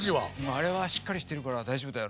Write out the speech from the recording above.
あれはしっかりしてるから大丈夫だよ